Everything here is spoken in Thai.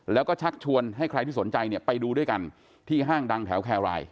แล้วก็ชักชวนให้ใครที่สนใจเนี่ยไปดูด้วยกันที่ห้างดังแถวแครราย